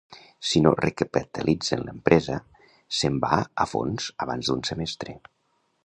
Si no recapitalitzen l'empresa, se'n va a fons abans d'un semestre.